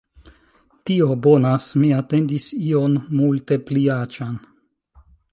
Tio bonas. Mi atendis ion multe pli aĉan